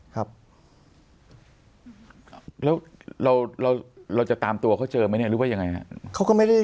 แล้วเราจะตามตัวเขาเจอไหมเนี่ย